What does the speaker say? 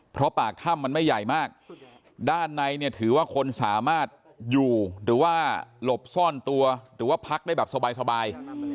เพราะปากถ้ำมันไม่ใหญ่มากด้านในเนี่ยถือว่าคนสามารถอยู่หรือว่าหลบซ่อนตัวหรือว่าพักได้แบบสบาย